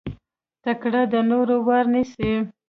تکړه د نورو وار نيسي.